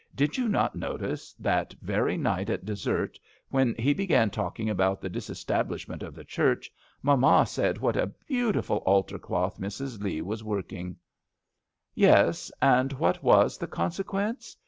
Did you not notice that very night at dessert, when he began talking about the disestablishment of the Church, mamma said what a beautiful altar cloth Mrs. Lee was work ing ?" GRANNY LOVELOCK AT HOME. 1 65 " Yes ; and what was the con sequence